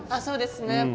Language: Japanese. そうですね。